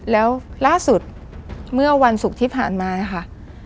แล้วล่าสุดเมื่อวันศุกร์ที่ผ่านมาค่ะ